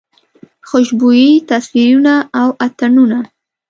خوشبويي او تصویرونه اتڼونه